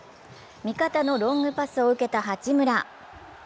味方のロングパスを受けた八村。